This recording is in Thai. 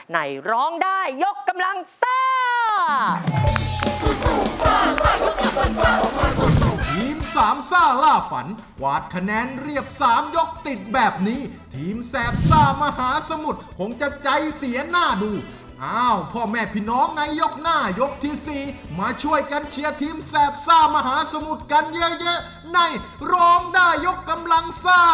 ร้องได้ยกกำลังซ่า